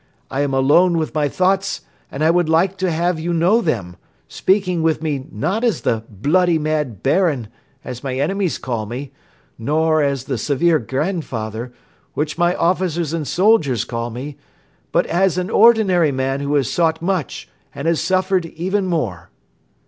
I am alone with my thoughts and I would like to have you know them, speaking with me not as the 'bloody mad Baron,' as my enemies call me, nor as the 'severe grandfather,' which my officers and soldiers call me, but as an ordinary man who has sought much and has suffered even more."